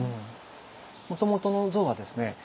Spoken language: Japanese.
もともとの像はですね